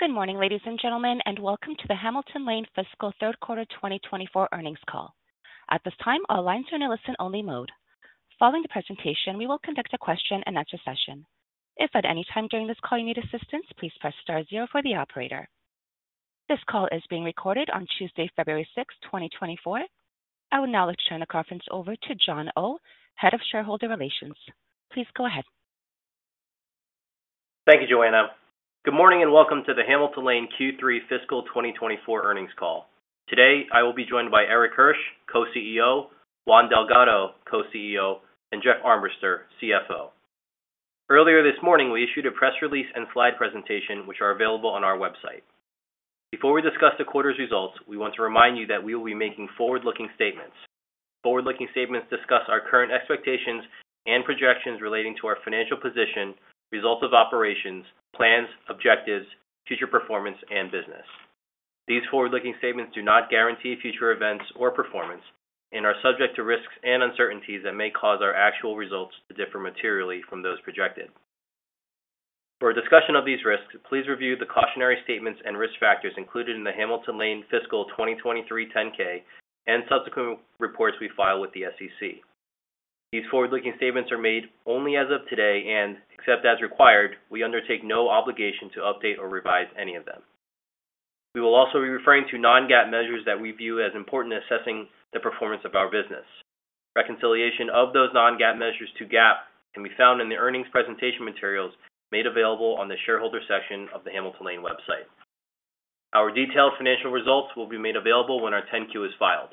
Good morning, ladies and gentlemen, and welcome to the Hamilton Lane Fiscal Third Quarter 2024 earnings call. At this time, all lines are in a listen-only mode. Following the presentation, we will conduct a question-and-answer session. If at any time during this call you need assistance, please press star zero for the operator. This call is being recorded on Tuesday, February 6, 2024. I will now turn the conference over to John Oh, Head of Shareholder Relations. Please go ahead. Thank you, Joanna. Good morning, and welcome to the Hamilton Lane Q3 fiscal 2024 earnings call. Today, I will be joined by Erik Hirsch, Co-CEO, Juan Delgado-Moreira, Co-CEO, and Jeff Armbrister, CFO. Earlier this morning, we issued a press release and slide presentation, which are available on our website. Before we discuss the quarter's results, we want to remind you that we will be making forward-looking statements. Forward-looking statements discuss our current expectations and projections relating to our financial position, results of operations, plans, objectives, future performance, and business. These forward-looking statements do not guarantee future events or performance and are subject to risks and uncertainties that may cause our actual results to differ materially from those projected. For a discussion of these risks, please review the cautionary statements and risk factors included in the Hamilton Lane fiscal 2023 10-K and subsequent reports we file with the SEC. These forward-looking statements are made only as of today, and except as required, we undertake no obligation to update or revise any of them. We will also be referring to non-GAAP measures that we view as important in assessing the performance of our business. Reconciliation of those non-GAAP measures to GAAP can be found in the earnings presentation materials made available on the shareholder section of the Hamilton Lane website. Our detailed financial results will be made available when our 10-Q is filed.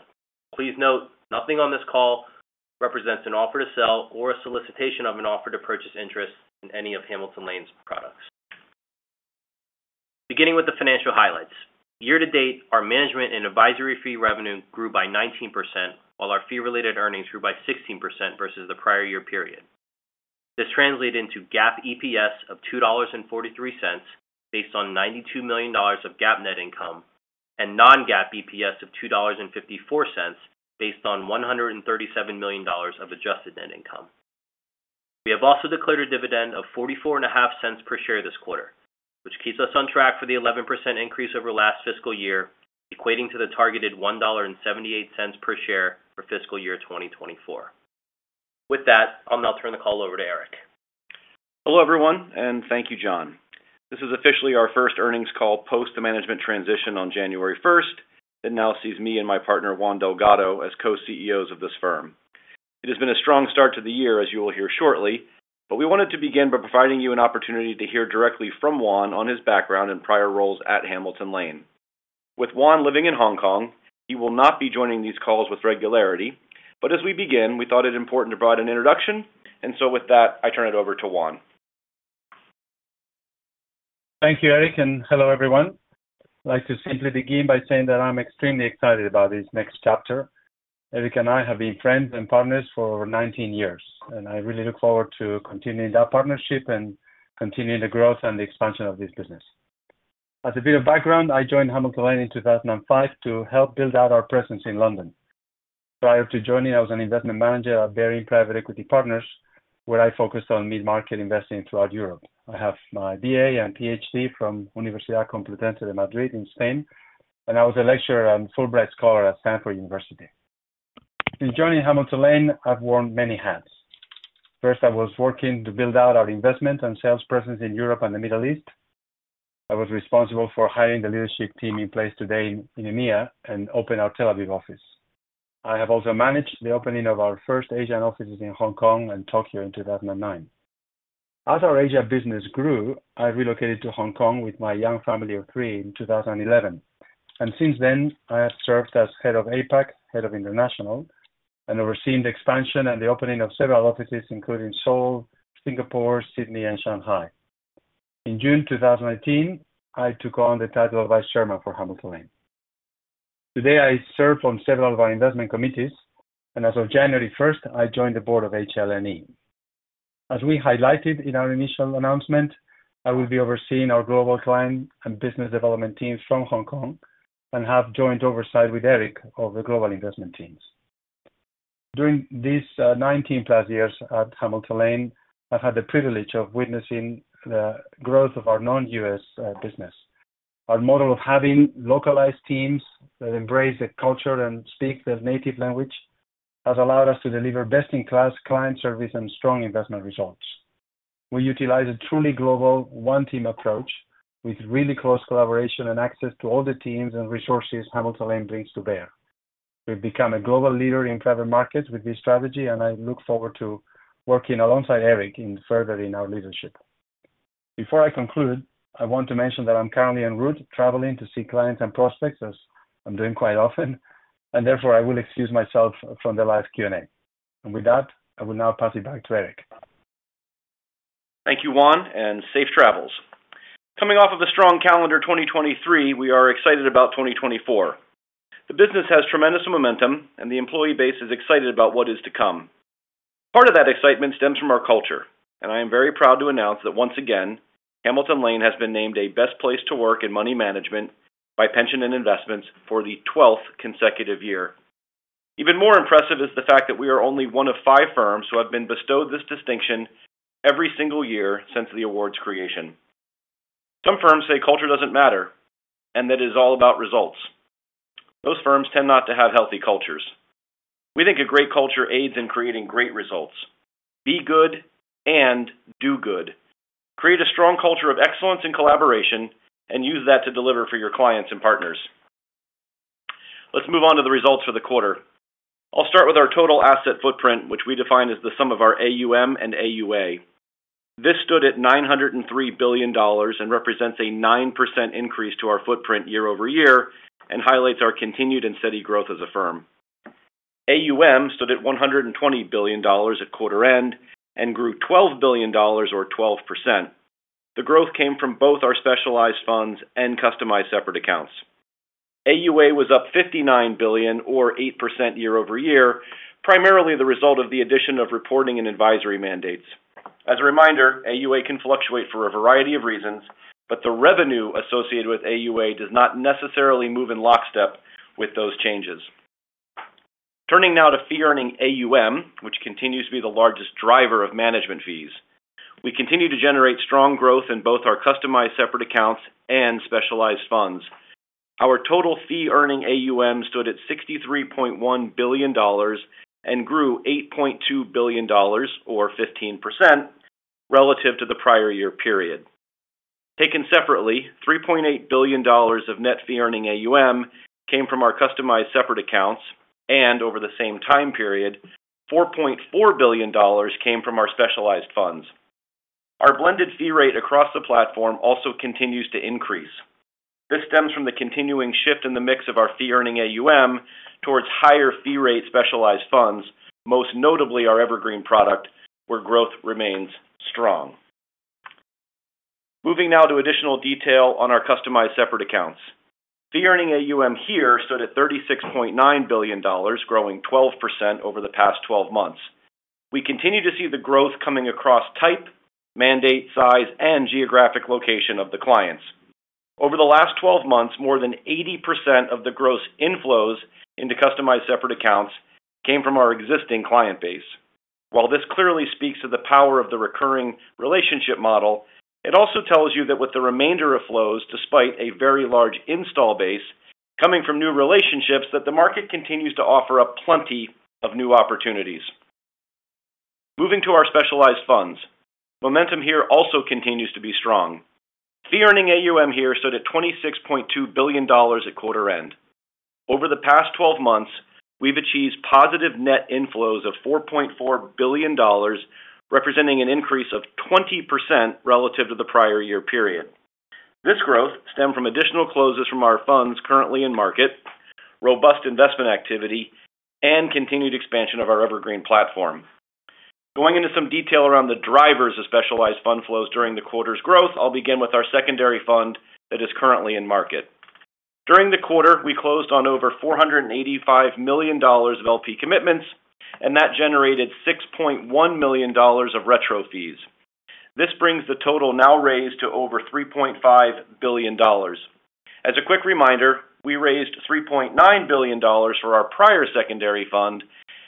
Please note, nothing on this call represents an offer to sell or a solicitation of an offer to purchase interest in any of Hamilton Lane's products. Beginning with the financial highlights, year to date, our management and advisory fee revenue grew by 19%, while our fee-related earnings grew by 16% versus the prior year period. This translated into GAAP EPS of $2.43, based on $92 million of GAAP net income, and non-GAAP EPS of $2.54, based on $137 million of adjusted net income. We have also declared a dividend of $0.445 per share this quarter, which keeps us on track for the 11% increase over last fiscal year, equating to the targeted $1.78 per share for fiscal year 2024. With that, I'll now turn the call over to Erik. Hello, everyone, and thank you, John. This is officially our first earnings call post the management transition on January first, that now sees me and my partner, Juan Delgado, as co-CEOs of this firm. It has been a strong start to the year, as you will hear shortly, but we wanted to begin by providing you an opportunity to hear directly from Juan on his background and prior roles at Hamilton Lane. With Juan living in Hong Kong, he will not be joining these calls with regularity, but as we begin, we thought it important to provide an introduction, and so with that, I turn it over to Juan. Thank you, Erik, and hello, everyone. I'd like to simply begin by saying that I'm extremely excited about this next chapter. Erik and I have been friends and partners for over 19 years, and I really look forward to continuing that partnership and continuing the growth and expansion of this business. As a bit of background, I joined Hamilton Lane in 2005 to help build out our presence in London. Prior to joining, I was an investment manager at Baring Private Equity Partners, where I focused on mid-market investing throughout Europe. I have my BA and PhD from Universidad Complutense de Madrid in Spain, and I was a lecturer and Fulbright Scholar at Stanford University. Since joining Hamilton Lane, I've worn many hats. First, I was working to build out our investment and sales presence in Europe and the Middle East. I was responsible for hiring the leadership team in place today in EMEA and opened our Tel Aviv office. I have also managed the opening of our first Asian offices in Hong Kong and Tokyo in 2009. As our Asia business grew, I relocated to Hong Kong with my young family of three in 2011, and since then, I have served as Head of APAC, Head of International, and overseen the expansion and the opening of several offices, including Seoul, Singapore, Sydney and Shanghai. In June 2018, I took on the title of Vice Chairman for Hamilton Lane. Today, I serve on several of our investment committees, and as of January first, I joined the board of HLNE. As we highlighted in our initial announcement, I will be overseeing our global client and business development teams from Hong Kong and have joint oversight with Erik of the global investment teams. During these 19+ years at Hamilton Lane, I've had the privilege of witnessing the growth of our non-US business. Our model of having localized teams that embrace the culture and speak their native language has allowed us to deliver best-in-class client service and strong investment results. We utilize a truly global one-team approach with really close collaboration and access to all the teams and resources Hamilton Lane brings to bear. We've become a global leader in private markets with this strategy, and I look forward to working alongside Erik in furthering our leadership. Before I conclude, I want to mention that I'm currently en route, traveling to see clients and prospects, as I'm doing quite often, and therefore I will excuse myself from the live Q&A. With that, I will now pass it back to Erik. Thank you, Juan, and safe travels. Coming off of a strong calendar 2023, we are excited about 2024. The business has tremendous momentum, and the employee base is excited about what is to come. Part of that excitement stems from our culture, and I am very proud to announce that once again, Hamilton Lane has been named a best place to work in money management by Pensions & Investments for the 12th consecutive year. Even more impressive is the fact that we are only one of five firms who have been bestowed this distinction every single year since the award's creation. Some firms say culture doesn't matter, and that it is all about results. Those firms tend not to have healthy cultures. We think a great culture aids in creating great results. Be good and do good. Create a strong culture of excellence and collaboration, and use that to deliver for your clients and partners. Let's move on to the results for the quarter. I'll start with our total asset footprint, which we define as the sum of our AUM and AUA. This stood at $903 billion and represents a 9% increase to our footprint year-over-year, and highlights our continued and steady growth as a firm. AUM stood at $120 billion at quarter end and grew $12 billion or 12%. The growth came from both our specialized funds and customized separate accounts. AUA was up $59 billion or 8% year-over-year, primarily the result of the addition of reporting and advisory mandates. As a reminder, AUA can fluctuate for a variety of reasons, but the revenue associated with AUA does not necessarily move in lockstep with those changes. Turning now to fee-earning AUM, which continues to be the largest driver of management fees. We continue to generate strong growth in both our customized separate accounts and specialized funds. Our total fee-earning AUM stood at $63.1 billion and grew $8.2 billion, or 15%, relative to the prior year period. Taken separately, $3.8 billion of net fee earning AUM came from our customized separate accounts, and over the same time period, $4.4 billion came from our specialized funds. Our blended fee rate across the platform also continues to increase. This stems from the continuing shift in the mix of our fee-earning AUM towards higher fee rate specialized funds, most notably our Evergreen product, where growth remains strong. Moving now to additional detail on our customized separate accounts. Fee-earning AUM here stood at $36.9 billion, growing 12% over the past 12 months. We continue to see the growth coming across type, mandate, size, and geographic location of the clients. Over the last 12 months, more than 80% of the gross inflows into customized separate accounts came from our existing client base. While this clearly speaks to the power of the recurring relationship model, it also tells you that with the remainder of flows, despite a very large install base coming from new relationships, that the market continues to offer up plenty of new opportunities. Moving to our specialized funds. Momentum here also continues to be strong. Fee-earning AUM here stood at $26.2 billion at quarter-end. Over the past 12 months, we've achieved positive net inflows of $4.4 billion, representing an increase of 20% relative to the prior year period. This growth stemmed from additional closes from our funds currently in market, robust investment activity, and continued expansion of our Evergreen platform. Going into some detail around the drivers of Specialized Fund flows during the quarter's growth, I'll begin with our secondary fund that is currently in market. During the quarter, we closed on over $485 million of LP commitments, and that generated $6.1 million of retroactive fees. This brings the total now raised to over $3.5 billion. As a quick reminder, we raised $3.9 billion for our prior secondary fund,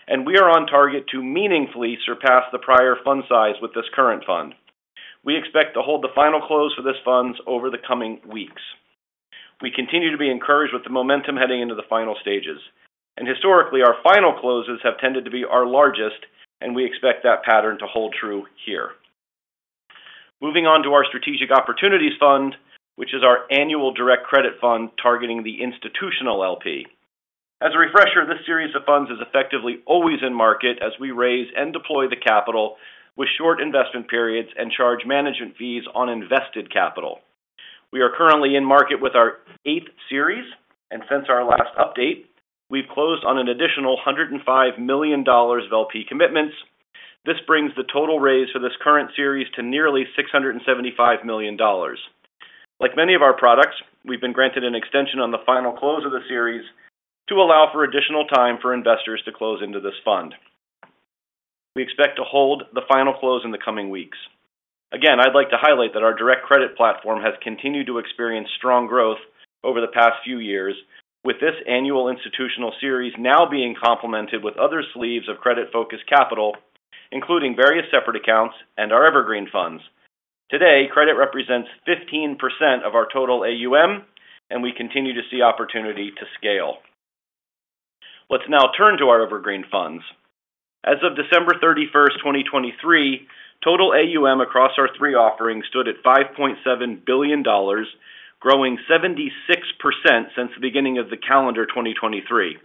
and we are on target to meaningfully surpass the prior fund size with this current fund. We expect to hold the final close for this fund over the coming weeks. We continue to be encouraged with the momentum heading into the final stages, and historically, our final closes have tended to be our largest, and we expect that pattern to hold true here. Moving on to our Strategic Opportunities Fund, which is our annual direct credit fund targeting the institutional LP. As a refresher, this series of funds is effectively always in market as we raise and deploy the capital with short investment periods and charge management fees on invested capital. We are currently in market with our eighth series, and since our last update, we've closed on an additional $105 million of LP commitments. This brings the total raise for this current series to nearly $675 million. Like many of our products, we've been granted an extension on the final close of the series to allow for additional time for investors to close into this fund. We expect to hold the final close in the coming weeks. Again, I'd like to highlight that our direct credit platform has continued to experience strong growth over the past few years, with this annual institutional series now being complemented with other sleeves of credit-focused capital, including various separate accounts and our Evergreen Funds. Today, credit represents 15% of our total AUM, and we continue to see opportunity to scale. Let's now turn to our Evergreen Funds. As of December 31, 2023, total AUM across our three offerings stood at $5.7 billion, growing 76% since the beginning of the calendar 2023.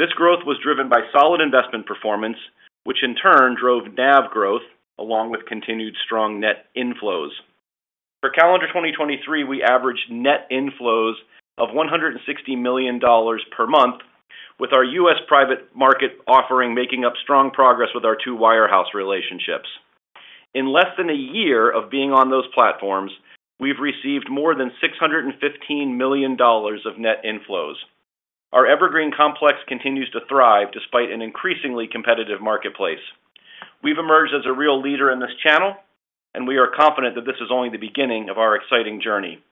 This growth was driven by solid investment performance, which in turn drove NAV growth, along with continued strong net inflows. For calendar 2023, we averaged net inflows of $160 million per month, with our US private market offering making up strong progress with our two wirehouse relationships. In less than a year of being on those platforms, we've received more than $615 million of net inflows. Our Evergreen complex continues to thrive despite an increasingly competitive marketplace.... We've emerged as a real leader in this channel, and we are confident that this is only the beginning of our exciting journey.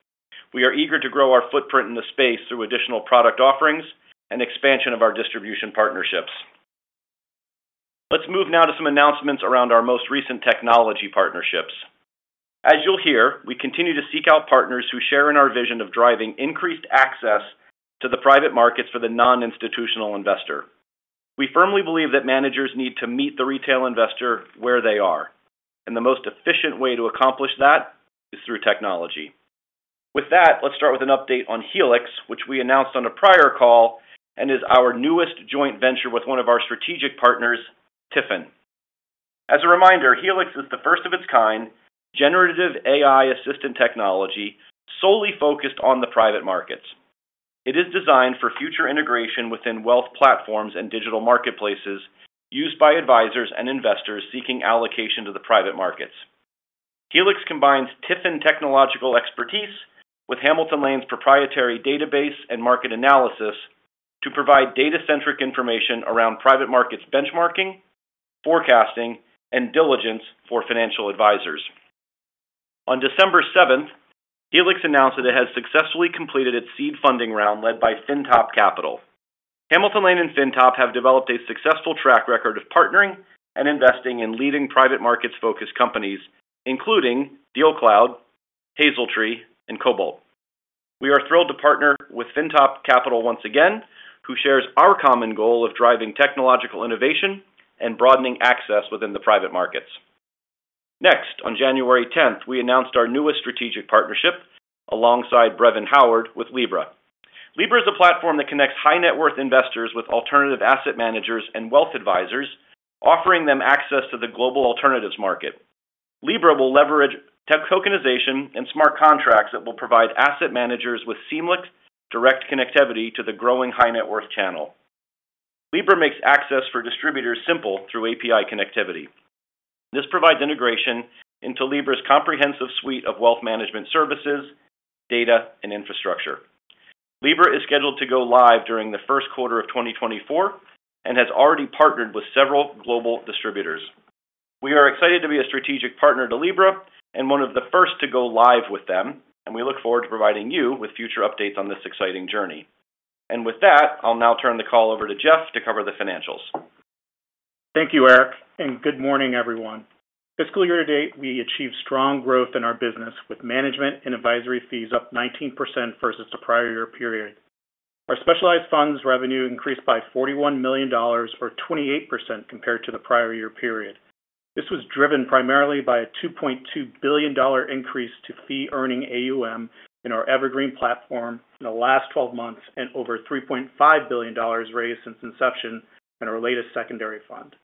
We are eager to grow our footprint in the space through additional product offerings and expansion of our distribution partnerships. Let's move now to some announcements around our most recent technology partnerships. As you'll hear, we continue to seek out partners who share in our vision of driving increased access to the private markets for the non-institutional investor. We firmly believe that managers need to meet the retail investor where they are, and the most efficient way to accomplish that is through technology. With that, let's start with an update on Helix, which we announced on a prior call and is our newest joint venture with one of our strategic partners, TIFIN. As a reminder, Helix is the first of its kind, generative AI assistant technology, solely focused on the private markets. It is designed for future integration within wealth platforms and digital marketplaces used by advisors and investors seeking allocation to the private markets. Helix combines TIFIN technological expertise with Hamilton Lane's proprietary database and market analysis to provide data-centric information around private markets benchmarking, forecasting, and diligence for financial advisors. On December seventh, Helix announced that it has successfully completed its seed funding round, led by FINTOP Capital. Hamilton Lane and FINTOP have developed a successful track record of partnering and investing in leading private markets-focused companies, including DealCloud, Hazeltree, and Cobalt. We are thrilled to partner with FINTOP Capital once again, who shares our common goal of driving technological innovation and broadening access within the private markets. Next, on January tenth, we announced our newest strategic partnership alongside Brevan Howard with Libre. Libre is a platform that connects high-net-worth investors with alternative asset managers and wealth advisors, offering them access to the global alternatives market. Libre will leverage tech tokenization and smart contracts that will provide asset managers with seamless, direct connectivity to the growing high-net-worth channel. Libre makes access for distributors simple through API connectivity. This provides integration into Libre's comprehensive suite of wealth management services, data, and infrastructure. Libre is scheduled to go live during the first quarter of 2024 and has already partnered with several global distributors. We are excited to be a strategic partner to Libre and one of the first to go live with them, and we look forward to providing you with future updates on this exciting journey. And with that, I'll now turn the call over to Jeff to cover the financials. Thank you, Erik, and good morning, everyone. Fiscal year to date, we achieved strong growth in our business, with management and advisory fees up 19% versus the prior year period. Our specialized funds revenue increased by $41 million or 28% compared to the prior year period. This was driven primarily by a $2.2 billion increase to fee-earning AUM in our Evergreen platform in the last twelve months and over $3.5 billion raised since inception in our latest Secondary Fund.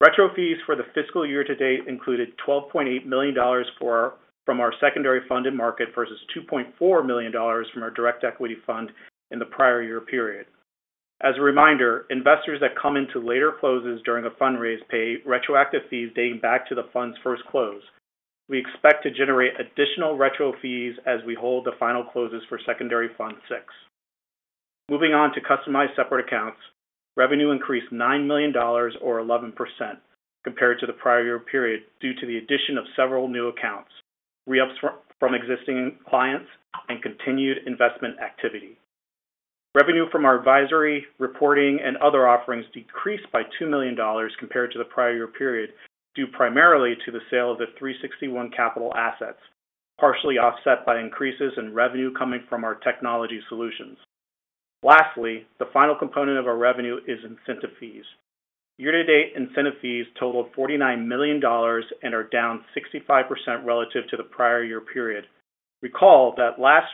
Retro fees for the fiscal year to date included $12.8 million from our Secondary Fund in the market versus $2.4 million from our direct equity fund in the prior year period. As a reminder, investors that come into later closes during a fund raise pay retroactive fees dating back to the fund's first close. We expect to generate additional retro fees as we hold the final closes for Secondary Fund VI. Moving on to customized separate accounts, revenue increased $9 million or 11% compared to the prior year period, due to the addition of several new accounts, re-ups from existing clients, and continued investment activity. Revenue from our advisory, reporting, and other offerings decreased by $2 million compared to the prior year period, due primarily to the sale of the 361 Capital assets, partially offset by increases in revenue coming from our Technology Solutions. Lastly, the final component of our revenue is incentive fees. Year-to-date incentive fees totaled $49 million and are down 65% relative to the prior year period. Recall that last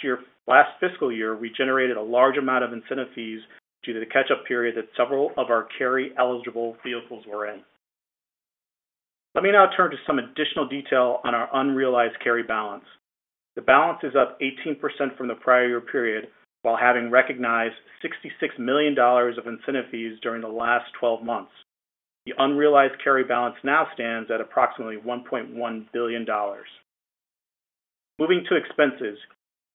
year—last fiscal year, we generated a large amount of incentive fees due to the catch-up period that several of our carry-eligible vehicles were in. Let me now turn to some additional detail on our unrealized carry balance. The balance is up 18% from the prior year period, while having recognized $66 million of incentive fees during the last twelve months. The unrealized carry balance now stands at approximately $1.1 billion. Moving to expenses.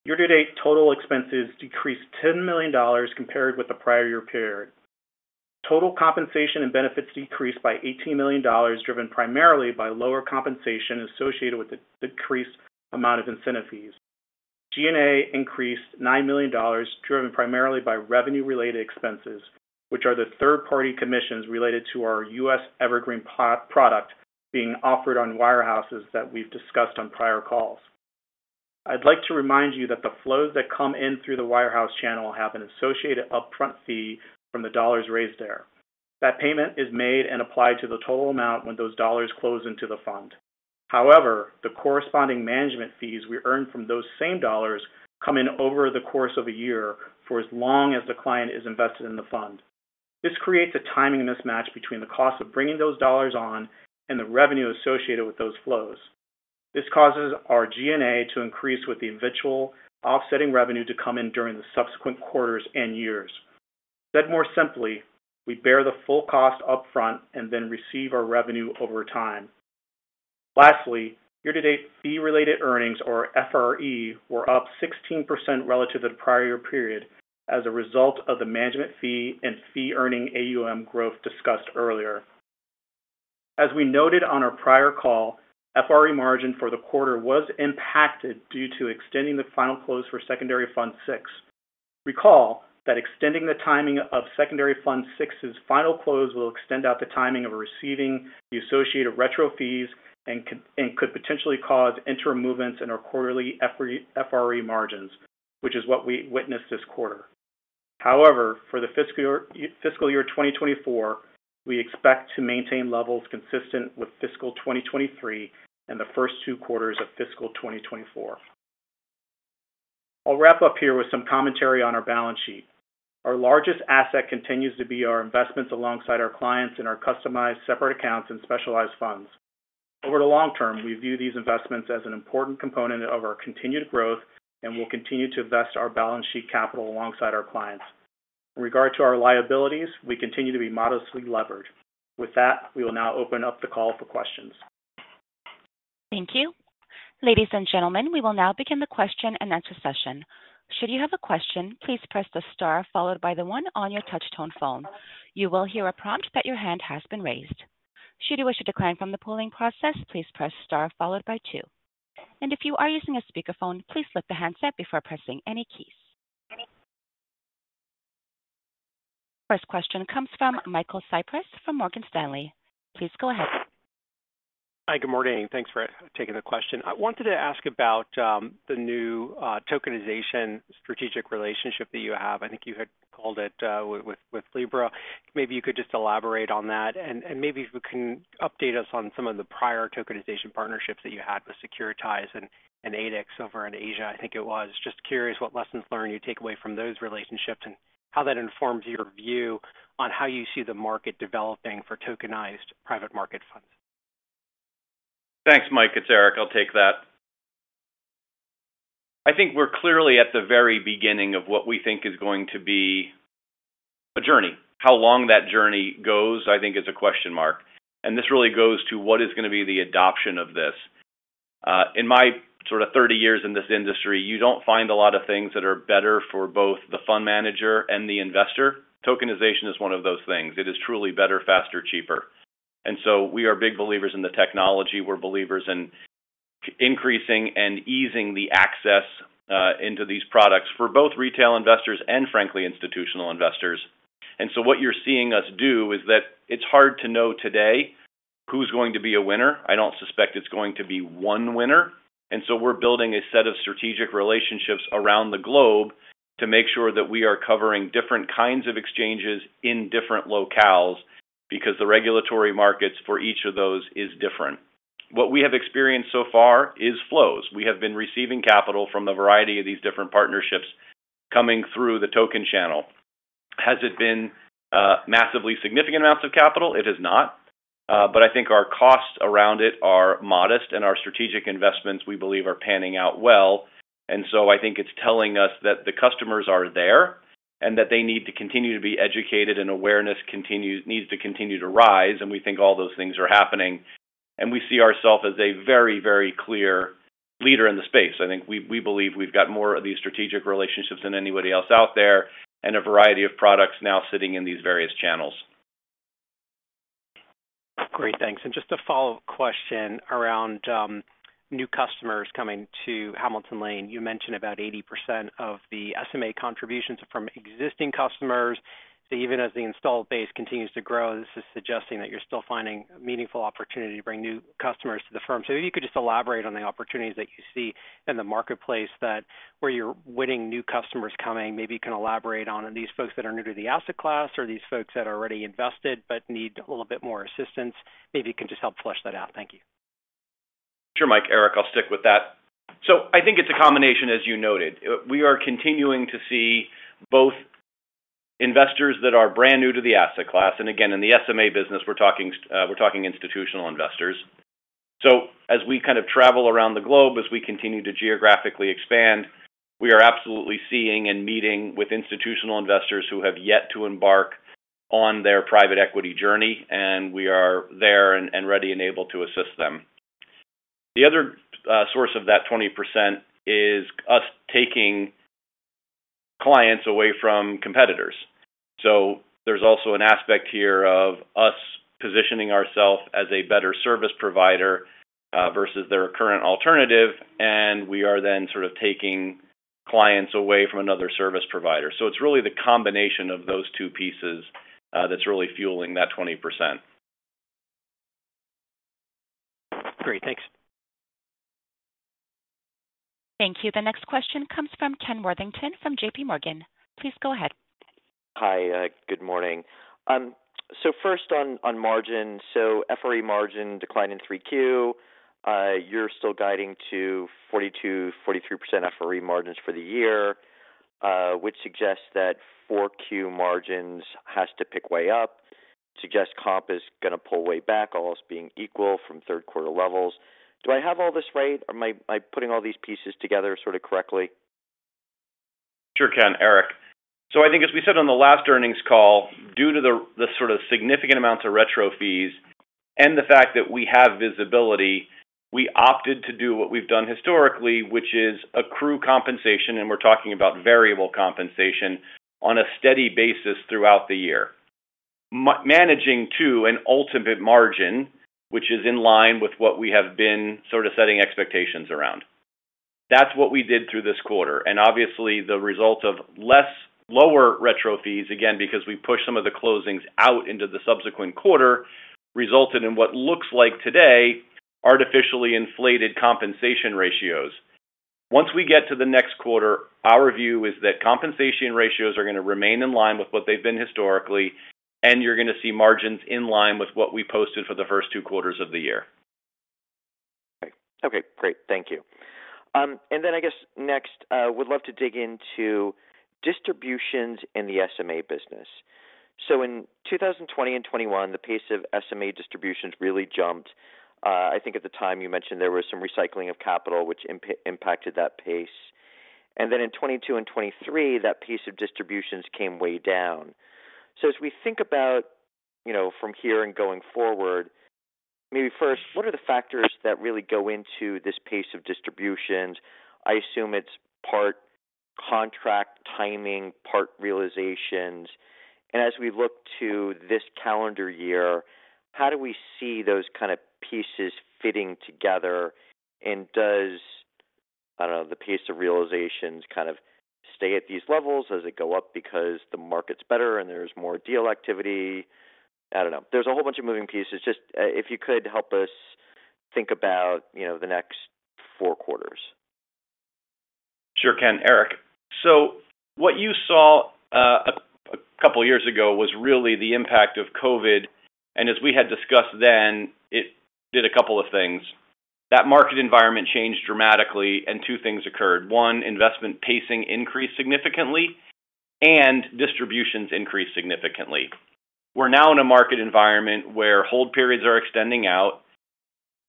Year-to-date total expenses decreased $10 million compared with the prior year period. Total compensation and benefits decreased by $18 million, driven primarily by lower compensation associated with the decreased amount of incentive fees. G&A increased $9 million, driven primarily by revenue-related expenses, which are the third-party commissions related to our U.S. Evergreen product being offered on wirehouses that we've discussed on prior calls. I'd like to remind you that the flows that come in through the wirehouse channel have an associated upfront fee from the dollars raised there. That payment is made and applied to the total amount when those dollars close into the fund. However, the corresponding management fees we earn from those same dollars come in over the course of a year for as long as the client is invested in the fund. This creates a timing mismatch between the cost of bringing those dollars on and the revenue associated with those flows. This causes our G&A to increase with the eventual offsetting revenue to come in during the subsequent quarters and years. Said more simply, we bear the full cost up front and then receive our revenue over time. Lastly, year-to-date fee-related earnings, or FRE, were up 16% relative to the prior period as a result of the management fee and fee-earning AUM growth discussed earlier. As we noted on our prior call, FRE margin for the quarter was impacted due to extending the final close for Secondary Fund VI. Recall that extending the timing of Secondary Fund VI's final close will extend out the timing of receiving the associated retro fees and could, and could potentially cause interim movements in our quarterly FR- FRE margins, which is what we witnessed this quarter. However, for the fiscal year, fiscal year 2024, we expect to maintain levels consistent with fiscal 2023 and the first two quarters of fiscal 2024. I'll wrap up here with some commentary on our balance sheet. Our largest asset continues to be our investments alongside our clients in our customized separate accounts and specialized funds. Over the long term, we view these investments as an important component of our continued growth, and we'll continue to invest our balance sheet capital alongside our clients. In regard to our liabilities, we continue to be modestly levered. With that, we will now open up the call for questions. Thank you. Ladies and gentlemen, we will now begin the question-and-answer session. Should you have a question, please press the star followed by the one on your touch-tone phone. You will hear a prompt that your hand has been raised. Should you wish to decline from the polling process, please press star followed by two. If you are using a speakerphone, please lift the handset before pressing any keys. First question comes from Michael Cyprys from Morgan Stanley. Please go ahead. Hi, good morning. Thanks for taking the question. I wanted to ask about the new tokenization strategic relationship that you have. I think you had called it with Libre. Maybe you could just elaborate on that, and maybe if you can update us on some of the prior tokenization partnerships that you had with Securitize and ADDX over in Asia, I think it was. Just curious what lessons learned you take away from those relationships and how that informs your view on how you see the market developing for tokenized private market funds. Thanks, Mike. It's Erik. I'll take that. I think we're clearly at the very beginning of what we think is going to be a journey. How long that journey goes, I think, is a question mark, and this really goes to what is going to be the adoption of this. In my sort of 30 years in this industry, you don't find a lot of things that are better for both the fund manager and the investor. Tokenization is one of those things. It is truly better, faster, cheaper. And so we are big believers in the technology. We're believers in increasing and easing the access into these products for both retail investors and, frankly, institutional investors. And so what you're seeing us do is that it's hard to know today who's going to be a winner. I don't suspect it's going to be one winner. We're building a set of strategic relationships around the globe to make sure that we are covering different kinds of exchanges in different locales, because the regulatory markets for each of those is different. What we have experienced so far is flows. We have been receiving capital from a variety of these different partnerships coming through the token channel. Has it been, massively significant amounts of capital? It has not, but I think our costs around it are modest, and our strategic investments, we believe, are panning out well. I think it's telling us that the customers are there and that they need to continue to be educated and awareness continues, needs to continue to rise, and we think all those things are happening. We see ourselves as a very, very clear leader in the space. I think we believe we've got more of these strategic relationships than anybody else out there and a variety of products now sitting in these various channels. Great, thanks. And just a follow-up question around new customers coming to Hamilton Lane. You mentioned about 80% of the SMA contributions are from existing customers. So even as the installed base continues to grow, this is suggesting that you're still finding meaningful opportunity to bring new customers to the firm. So if you could just elaborate on the opportunities that you see in the marketplace, that where you're winning new customers coming, maybe you can elaborate on, are these folks that are new to the asset class, or these folks that are already invested but need a little bit more assistance? Maybe you can just help flesh that out. Thank you. Sure, Mike. Erik, I'll stick with that. So I think it's a combination, as you noted. We are continuing to see both investors that are brand new to the asset class, and again, in the SMA business, we're talking institutional investors. So as we kind of travel around the globe, as we continue to geographically expand, we are absolutely seeing and meeting with institutional investors who have yet to embark on their private equity journey, and we are there and ready and able to assist them. The other source of that 20% is us taking clients away from competitors. So there's also an aspect here of us positioning ourselves as a better service provider versus their current alternative, and we are then sort of taking clients away from another service provider. It's really the combination of those two pieces that's really fueling that 20%. Great. Thanks. Thank you. The next question comes from Ken Worthington from JPMorgan. Please go ahead. Hi, good morning. So first on, on margin. So FRE margin declined in 3Q. You're still guiding to 42-43% FRE margins for the year, which suggests that 4Q margins has to pick way up, suggests comp is going to pull way back, all else being equal from third quarter levels. Do I have all this right? Am I, am I putting all these pieces together sort of correctly?... Sure can, Erik. So I think as we said on the last earnings call, due to the sort of significant amounts of retro fees and the fact that we have visibility, we opted to do what we've done historically, which is accrue compensation, and we're talking about variable compensation, on a steady basis throughout the year. Managing to an ultimate margin, which is in line with what we have been sort of setting expectations around. That's what we did through this quarter, and obviously, the result of lower retro fees, again, because we pushed some of the closings out into the subsequent quarter, resulted in what looks like today, artificially inflated compensation ratios. Once we get to the next quarter, our view is that compensation ratios are going to remain in line with what they've been historically, and you're gonna see margins in line with what we posted for the first two quarters of the year. Okay, great. Thank you. And then I guess next, would love to dig into distributions in the SMA business. So in 2020 and 2021, the pace of SMA distributions really jumped. I think at the time you mentioned there was some recycling of capital which impacted that pace. And then in 2022 and 2023, that pace of distributions came way down. So as we think about, you know, from here and going forward, maybe first, what are the factors that really go into this pace of distributions? I assume it's part contract timing, part realizations. And as we look to this calendar year, how do we see those kind of pieces fitting together? And does, I don't know, the pace of realizations kind of stay at these levels? Does it go up because the market's better and there's more deal activity? I don't know. There's a whole bunch of moving pieces. Just, if you could, help us think about, you know, the next four quarters. Sure can, Erik. So what you saw, a couple of years ago was really the impact of COVID, and as we had discussed then, it did a couple of things. That market environment changed dramatically, and two things occurred: one, investment pacing increased significantly, and distributions increased significantly. We're now in a market environment where hold periods are extending out,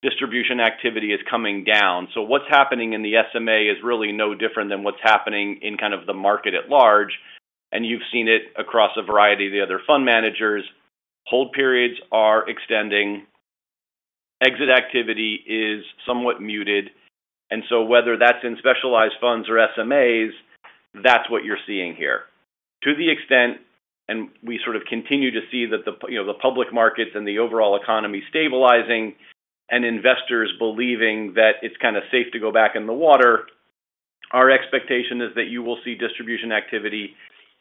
distribution activity is coming down. So what's happening in the SMA is really no different than what's happening in kind of the market at large, and you've seen it across a variety of the other fund managers. Hold periods are extending, exit activity is somewhat muted, and so whether that's in specialized funds or SMAs, that's what you're seeing here. To the extent, and we sort of continue to see that the, you know, the public markets and the overall economy stabilizing and investors believing that it's kind of safe to go back in the water, our expectation is that you will see distribution activity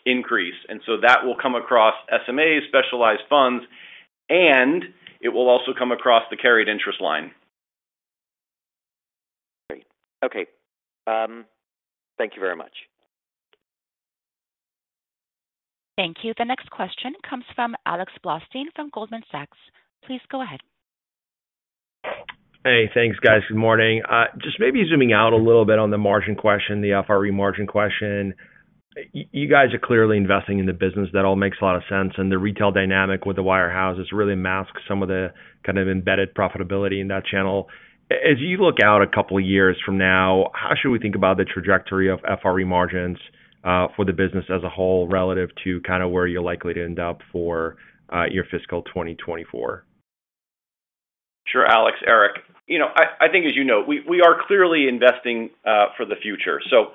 increase, and so that will come across SMA, specialized funds, and it will also come across the carried interest line. Great. Okay, thank you very much. Thank you. The next question comes from Alex Blostein from Goldman Sachs. Please go ahead. Hey, thanks, guys. Good morning. Just maybe zooming out a little bit on the margin question, the FRE margin question. You guys are clearly investing in the business. That all makes a lot of sense, and the retail dynamic with the wirehouses really masks some of the, kind of embedded profitability in that channel. As you look out a couple of years from now, how should we think about the trajectory of FRE margins for the business as a whole, relative to kind of where you're likely to end up for your fiscal 2024? Sure, Alex. Erik. You know, I think as you know, we are clearly investing for the future. So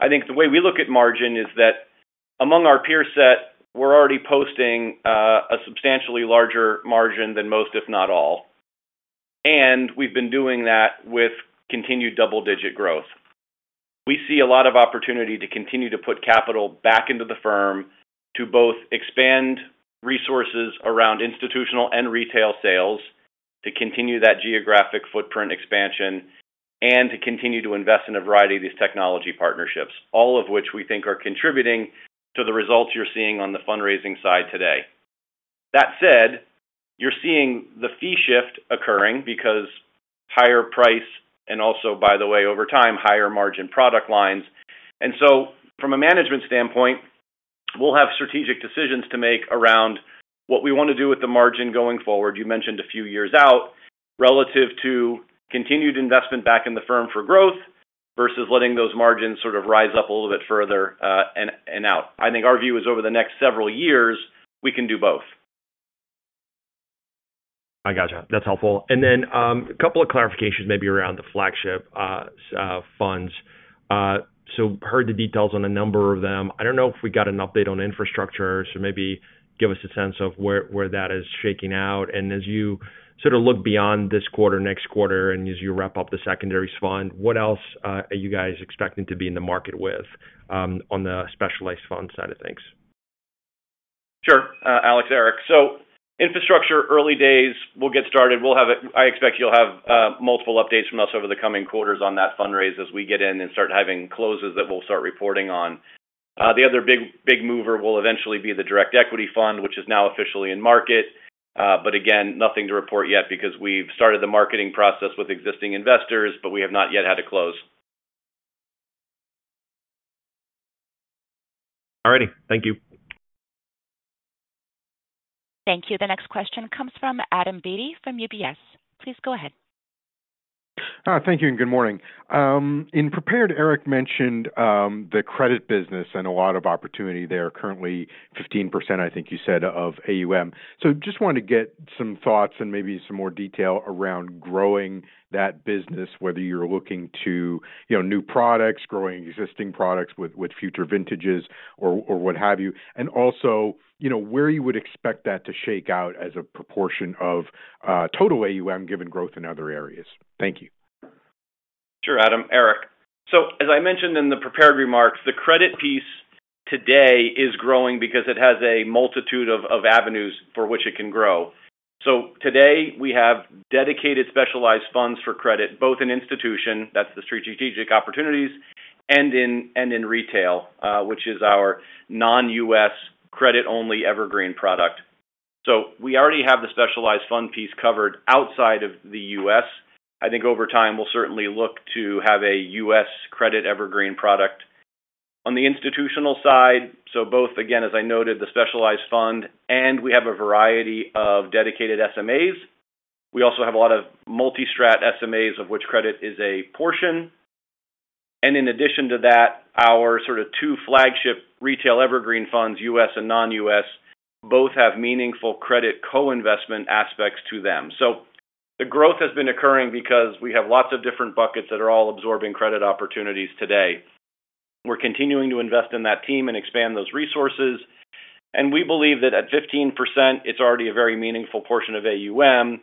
I think the way we look at margin is that among our peer set, we're already posting a substantially larger margin than most, if not all. And we've been doing that with continued double-digit growth. We see a lot of opportunity to continue to put capital back into the firm to both expand resources around institutional and retail sales, to continue that geographic footprint expansion, and to continue to invest in a variety of these technology partnerships, all of which we think are contributing to the results you're seeing on the fundraising side today. That said, you're seeing the fee shift occurring because higher price and also, by the way, over time, higher margin product lines. And so from a management standpoint, we'll have strategic decisions to make around what we want to do with the margin going forward. You mentioned a few years out, relative to continued investment back in the firm for growth versus letting those margins sort of rise up a little bit further, and out. I think our view is over the next several years, we can do both. I gotcha. That's helpful. And then, a couple of clarifications maybe around the flagship funds. So heard the details on a number of them. I don't know if we got an update on Infrastructure, so maybe give us a sense of where, where that is shaking out. And as you sort of look beyond this quarter, next quarter, and as you wrap up the Secondaries Fund, what else, are you guys expecting to be in the market with, on the specialized funds side of things? Sure, Alex, Erik. So infrastructure, early days, we'll get started. We'll have it. I expect you'll have multiple updates from us over the coming quarters on that fundraise as we get in and start having closes that we'll start reporting on. The other big, big mover will eventually be the direct equity fund, which is now officially in market. But again, nothing to report yet because we've started the marketing process with existing investors, but we have not yet had a close. All righty. Thank you. Thank you. The next question comes from Adam Beatty from UBS. Please go ahead. Thank you, and good morning. In prepared, Erik mentioned the credit business and a lot of opportunity there, currently 15%, I think you said, of AUM. So just wanted to get some thoughts and maybe some more detail around growing that business, whether you're looking to, you know, new products, growing existing products with future vintages or what have you. And also, you know, where you would expect that to shake out as a proportion of total AUM, given growth in other areas. Thank you. Sure, Adam. Erik. So as I mentioned in the prepared remarks, the credit piece today is growing because it has a multitude of avenues for which it can grow. So today, we have dedicated specialized funds for credit, both in institution, that's the Strategic Opportunities, and in retail, which is our non-US credit-only evergreen product. So we already have the specialized fund piece covered outside of the US. I think over time, we'll certainly look to have a US credit evergreen product. On the institutional side, so both, again, as I noted, the specialized fund, and we have a variety of dedicated SMAs. We also have a lot of multi-strat SMAs, of which credit is a portion. And in addition to that, our sort of two flagship retail evergreen funds, US and non-US, both have meaningful credit co-investment aspects to them. So the growth has been occurring because we have lots of different buckets that are all absorbing credit opportunities today. We're continuing to invest in that team and expand those resources, and we believe that at 15%, it's already a very meaningful portion of AUM.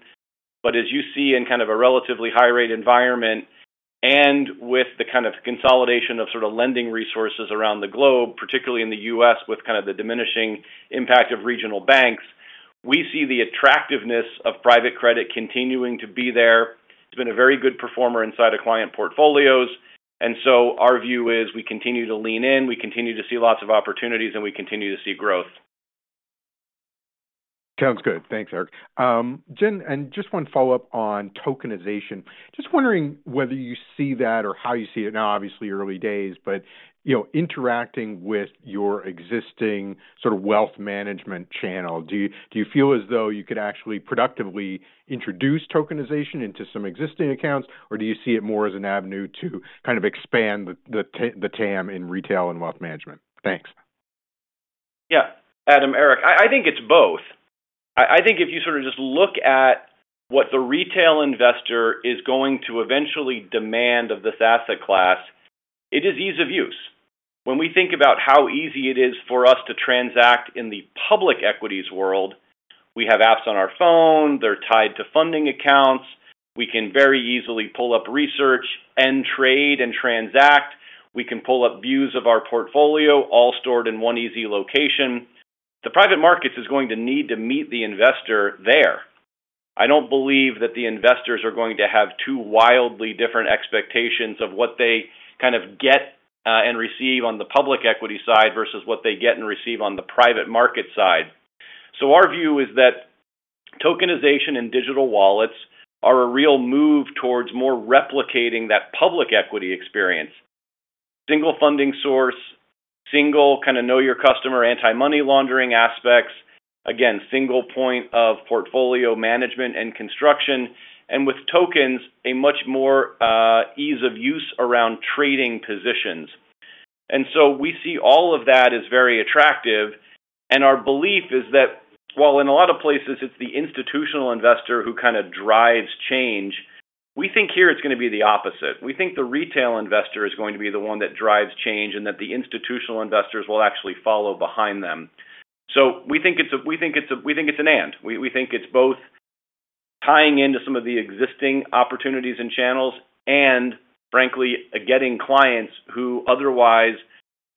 But as you see in kind of a relatively high-rate environment and with the kind of consolidation of sort of lending resources around the globe, particularly in the U.S., with kind of the diminishing impact of regional banks, we see the attractiveness of private credit continuing to be there. It's been a very good performer inside of client portfolios, and so our view is we continue to lean in, we continue to see lots of opportunities, and we continue to see growth. Sounds good. Thanks, Erik. Jen, and just one follow-up on tokenization. Just wondering whether you see that or how you see it now, obviously early days, but, you know, interacting with your existing sort of wealth management channel, do you, do you feel as though you could actually productively introduce tokenization into some existing accounts? Or do you see it more as an avenue to kind of expand the TAM in retail and wealth management? Thanks. Yeah. Adam, Erik. I think it's both. I think if you sort of just look at what the retail investor is going to eventually demand of this asset class, it is ease of use. When we think about how easy it is for us to transact in the public equities world, we have apps on our phone, they're tied to funding accounts, we can very easily pull up research and trade and transact, we can pull up views of our portfolio, all stored in one easy location. The private markets is going to need to meet the investor there. I don't believe that the investors are going to have two wildly different expectations of what they kind of get and receive on the public equity side versus what they get and receive on the private market side. So our view is that tokenization and digital wallets are a real move towards more replicating that public equity experience. Single funding source, single kind of know your customer, anti-money laundering aspects, again, single point of portfolio management and construction, and with tokens, a much more, ease of use around trading positions. And so we see all of that as very attractive, and our belief is that while in a lot of places it's the institutional investor who kind of drives change, we think here it's gonna be the opposite. We think the retail investor is going to be the one that drives change, and that the institutional investors will actually follow behind them. So we think it's a... We think it's an and. We think it's both tying into some of the existing opportunities and channels and frankly, getting clients who otherwise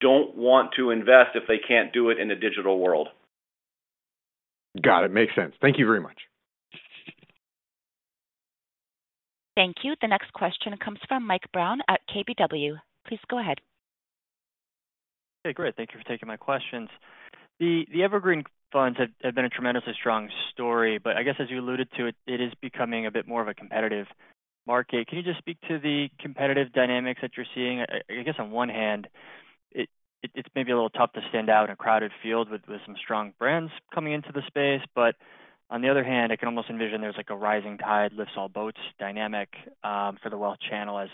don't want to invest if they can't do it in a digital world. Got it. Makes sense. Thank you very much. Thank you. The next question comes from Mike Brown at KBW. Please go ahead. Hey, great. Thank you for taking my questions. The Evergreen funds have been a tremendously strong story, but I guess as you alluded to, it is becoming a bit more of a competitive market. Can you just speak to the competitive dynamics that you're seeing? I guess on one hand, it's maybe a little tough to stand out in a crowded field with some strong brands coming into the space. But on the other hand, I can almost envision there's, like, a rising tide lifts all boats dynamic, for the wealth channel as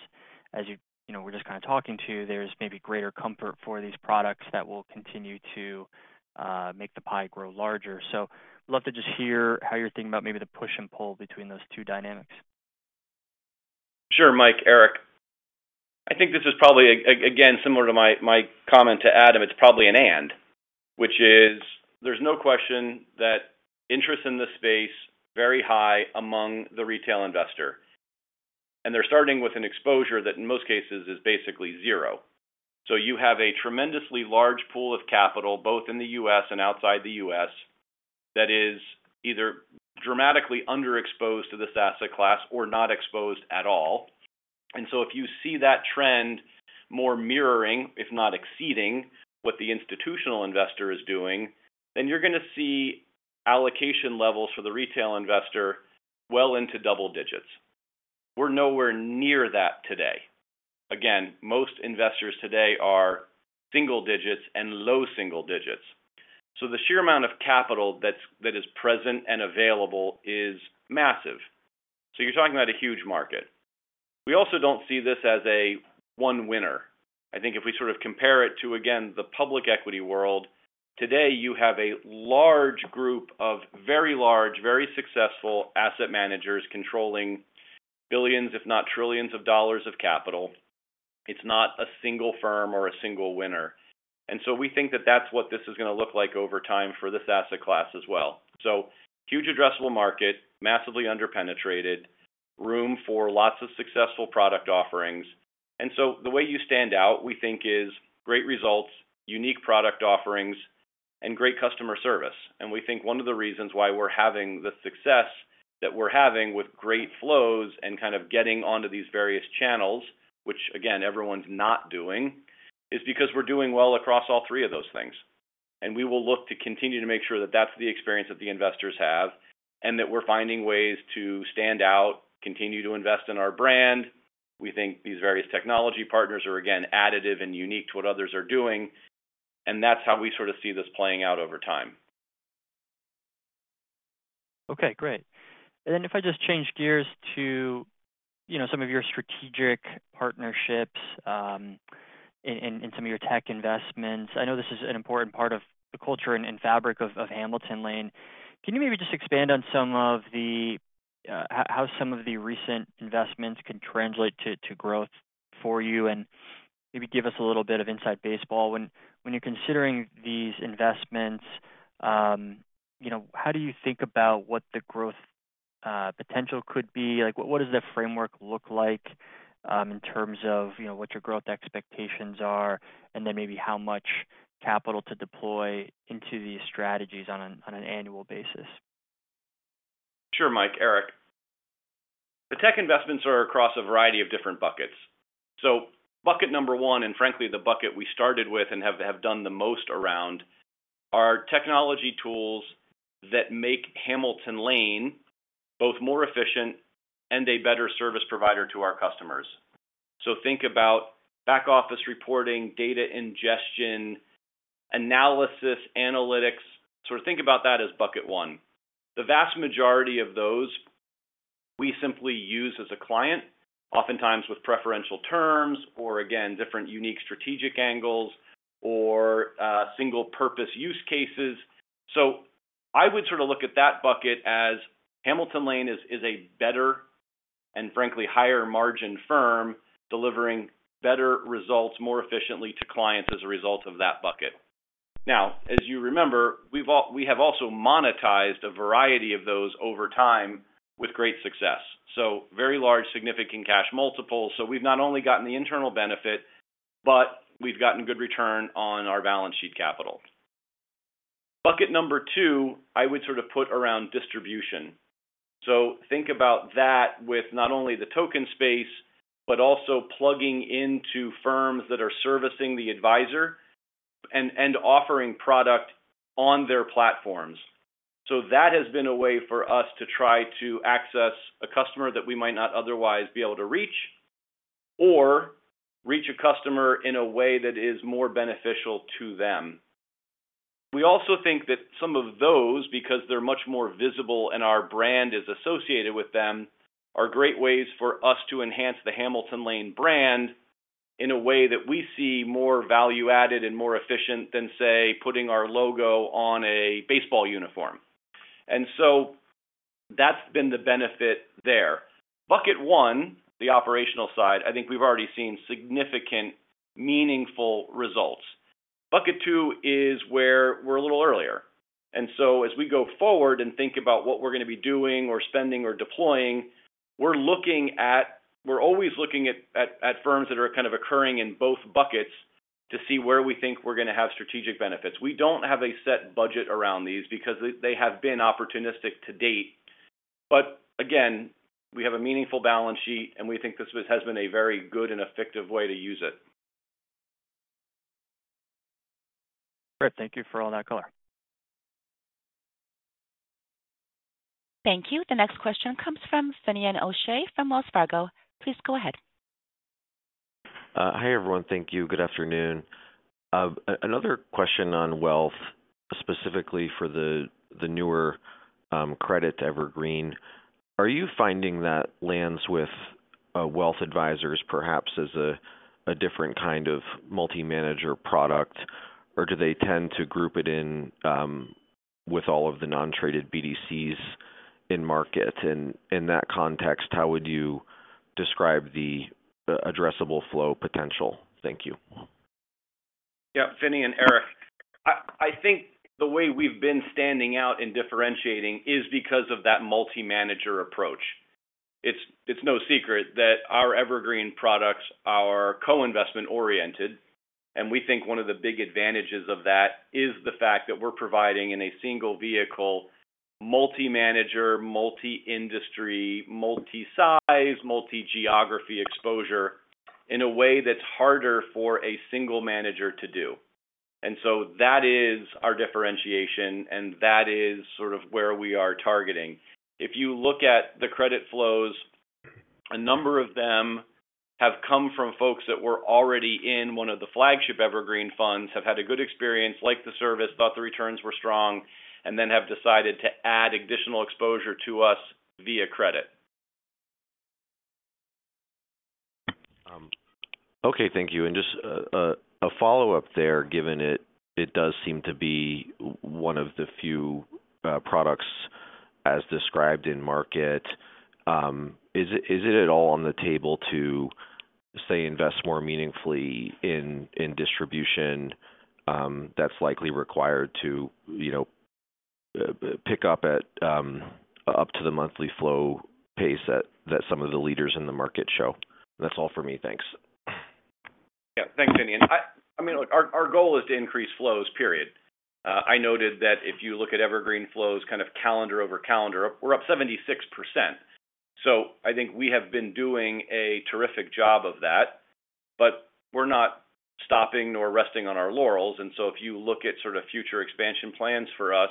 you know, we're just kind of talking to, there's maybe greater comfort for these products that will continue to make the pie grow larger. So I'd love to just hear how you're thinking about maybe the push and pull between those two dynamics. Sure, Mike. Erik. I think this is probably again similar to my comment to Adam, it's probably an and, which is there's no question that interest in this space very high among the retail investor, and they're starting with an exposure that, in most cases, is basically zero. So you have a tremendously large pool of capital, both in the US and outside the US, that is either dramatically underexposed to this asset class or not exposed at all. And so if you see that trend more mirroring, if not exceeding, what the institutional investor is doing, then you're gonna see allocation levels for the retail investor well into double digits.... We're nowhere near that today. Again, most investors today are single digits and low single digits. So the sheer amount of capital that is present and available is massive. So you're talking about a huge market. We also don't see this as a one winner. I think if we sort of compare it to, again, the public equity world, today, you have a large group of very large, very successful asset managers controlling billions, if not trillions, of dollars of capital. It's not a single firm or a single winner. And so we think that that's what this is gonna look like over time for this asset class as well. So huge addressable market, massively under-penetrated, room for lots of successful product offerings. And so the way you stand out, we think, is great results, unique product offerings, and great customer service. And we think one of the reasons why we're having the success that we're having with great flows and kind of getting onto these various channels, which, again, everyone's not doing, is because we're doing well across all three of those things. We will look to continue to make sure that that's the experience that the investors have, and that we're finding ways to stand out, continue to invest in our brand. We think these various technology partners are, again, additive and unique to what others are doing, and that's how we sort of see this playing out over time. Okay, great. And then if I just change gears to, you know, some of your strategic partnerships, and some of your tech investments. I know this is an important part of the culture and fabric of Hamilton Lane. Can you maybe just expand on some of the how some of the recent investments can translate to growth for you? And maybe give us a little bit of inside baseball. When you're considering these investments, you know, how do you think about what the growth potential could be? Like, what does that framework look like, in terms of, you know, what your growth expectations are, and then maybe how much capital to deploy into these strategies on an annual basis? Sure, Mike. Erik, the tech investments are across a variety of different buckets. So bucket number one, and frankly, the bucket we started with and have done the most around, are technology tools that make Hamilton Lane both more efficient and a better service provider to our customers. So think about back-office reporting, data ingestion, analysis, analytics. So think about that as bucket one. The vast majority of those, we simply use as a client, oftentimes with preferential terms, or again, different unique strategic angles or single-purpose use cases. So I would sort of look at that bucket as Hamilton Lane is a better and frankly higher margin firm, delivering better results more efficiently to clients as a result of that bucket. Now, as you remember, we have also monetized a variety of those over time with great success. So very large, significant cash multiples. So we've not only gotten the internal benefit, but we've gotten good return on our balance sheet capital. Bucket number two, I would sort of put around distribution. So think about that with not only the token space, but also plugging into firms that are servicing the advisor and offering product on their platforms. So that has been a way for us to try to access a customer that we might not otherwise be able to reach, or reach a customer in a way that is more beneficial to them. We also think that some of those, because they're much more visible and our brand is associated with them, are great ways for us to enhance the Hamilton Lane brand in a way that we see more value-added and more efficient than, say, putting our logo on a baseball uniform. And so that's been the benefit there. Bucket one, the operational side, I think we've already seen significant, meaningful results. Bucket two is where we're a little earlier, and so as we go forward and think about what we're gonna be doing or spending or deploying, we're looking at—we're always looking at firms that are kind of occurring in both buckets to see where we think we're gonna have strategic benefits. We don't have a set budget around these because they have been opportunistic to date. But again, we have a meaningful balance sheet, and we think this has been a very good and effective way to use it. Great. Thank you for all that color. Thank you. The next question comes from Finian O'Shea from Wells Fargo. Please go ahead. Hi, everyone. Thank you. Good afternoon. Another question on wealth, specifically for the newer credit to Evergreen. Are you finding that lands with wealth advisors, perhaps as a different kind of multi-manager product, or do they tend to group it in with all of the non-traded BDCs in market? And in that context, how would you describe the addressable flow potential? Thank you. Yeah, Finian. Erik, I think the way we've been standing out and differentiating is because of that multi-manager approach. It's no secret that our Evergreen products are co-investment oriented, and we think one of the big advantages of that is the fact that we're providing, in a single vehicle, multi-manager, multi-industry, multi-size, multi-geography exposure in a way that's harder for a single manager to do. And so that is our differentiation, and that is sort of where we are targeting. If you look at the credit flows, a number of them have come from folks that were already in one of the flagship Evergreen funds, have had a good experience, liked the service, thought the returns were strong, and then have decided to add additional exposure to us via credit. Okay, thank you. And just a follow-up there, given it does seem to be one of the few products as described in market. Is it at all on the table to, say, invest more meaningfully in distribution, that's likely required to, you know, pick up at, up to the monthly flow pace that some of the leaders in the market show? That's all for me. Thanks. Yeah. Thanks, Danny. And I mean, look, our goal is to increase flows, period. I noted that if you look at Evergreen flows, kind of calendar-over-calendar, we're up 76%. So I think we have been doing a terrific job of that, but we're not stopping nor resting on our laurels. And so if you look at sort of future expansion plans for us,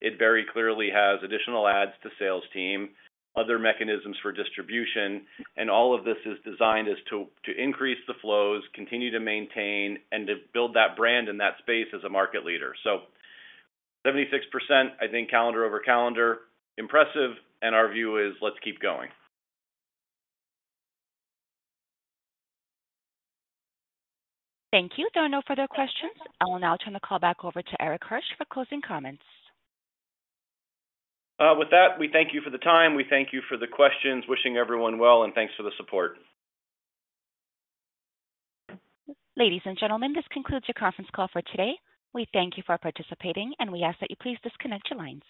it very clearly has additional adds to sales team, other mechanisms for distribution, and all of this is designed to increase the flows, continue to maintain, and to build that brand in that space as a market leader. So 76%, I think calendar-over-calendar, impressive, and our view is let's keep going. Thank you. There are no further questions. I will now turn the call back over to Erik Hirsch for closing comments. With that, we thank you for the time. We thank you for the questions. Wishing everyone well, and thanks for the support. Ladies and gentlemen, this concludes your conference call for today. We thank you for participating, and we ask that you please disconnect your lines.